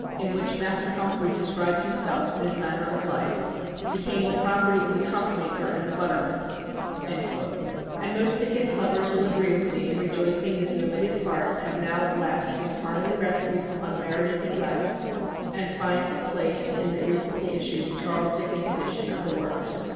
in which Master Humphrey described himself and his manner of life," "became the property of the trunkmaker and the butterman;" and most Dickens lovers will agree with me in rejoicing that the omitted parts have now at last been tardily rescued from unmerited neglect, and finds [Transcriber's Note: sic] a place in the recently issued "Charles Dickens" edition of the works.